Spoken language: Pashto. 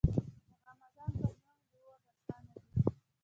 د غمازانو پر زړونو دي وارونه رسا نه دي.